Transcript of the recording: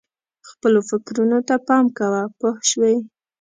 خپلو فکرونو ته پام کوه پوه شوې!.